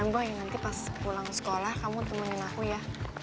boy nanti pas pulang sekolah kamu temenin aku ya